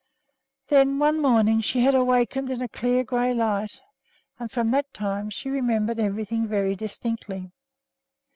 Then one morning she had awakened in a clear gray light, and from that time she remembered everything very distinctly.